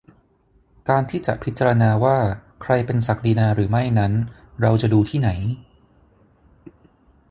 การที่จะพิจารณาว่าใครเป็นศักดินาหรือไม่นั้น เราจะดูที่ไหน ?